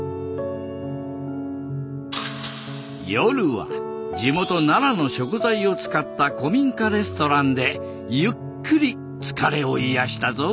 夜は地元奈良の食材を使った古民家レストランでゆっくり疲れを癒やしたぞ。